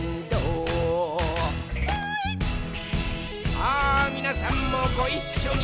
さあ、みなさんもごいっしょに！